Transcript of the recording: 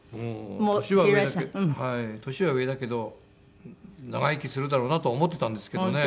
年は上だけど長生きするだろうなとは思ってたんですけどね。